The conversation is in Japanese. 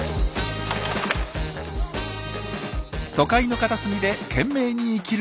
都会の片隅で懸命に生きる